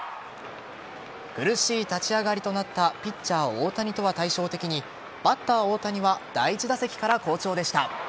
苦しい立ち上がりとなったピッチャー・大谷とは対照的にバッター・大谷は第１打席から好調でした。